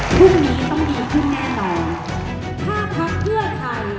พรุ่งนี้ต้องดีขึ้นแน่นอน